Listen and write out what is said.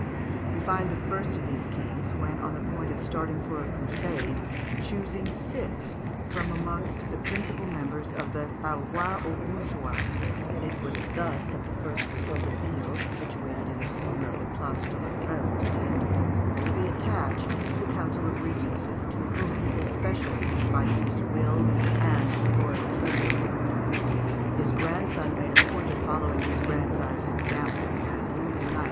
We find the first of these kings, when on the point of starting for a crusade, choosing six from amongst the principal members of the parloir aux bourgeois (it was thus that the first Hôtel de Ville, situated in the corner of the Place de la Grève, was named) to be attached to the Council of Regency, to whom he specially confided his will and the royal treasure. His grandson made a point of following his grandsire's example, and Louis IX.